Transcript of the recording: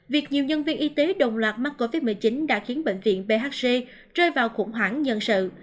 việc nhiều nhân viên y tế đồng loạt mắc covid một mươi chín đã khiến bệnh viện bhc rơi vào khủng hoảng nhân sự